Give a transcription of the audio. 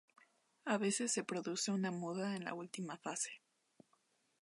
A veces se produce una muda en la última fase.